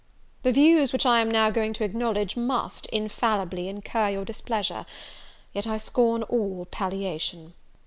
"The views which I am now going to acknowledge, must, infallibly, incur your displeasure; yet I scorn all palliation.